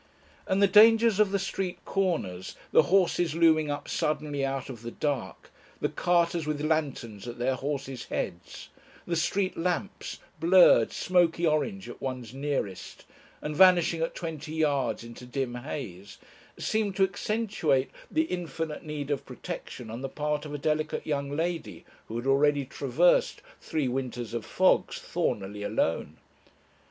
And the dangers of the street corners, the horses looming up suddenly out of the dark, the carters with lanterns at their horses' heads, the street lamps, blurred, smoky orange at one's nearest, and vanishing at twenty yards into dim haze, seemed to accentuate the infinite need of protection on the part of a delicate young lady who had already traversed three winters of fogs, thornily alone.